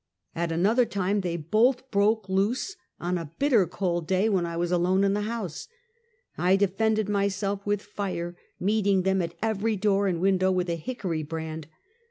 At another time, they both broke loose, on a bitter cold day when I was alone in the house. I defended myself with fire, meet ing them at every door and window with a hickory brand.